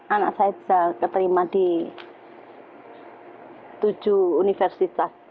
anak saya bisa keterima di tujuh universitas